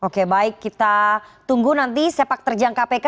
oke baik kita tunggu nanti sepak terjang kpk